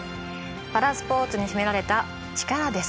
パラスポーツに秘められた力です。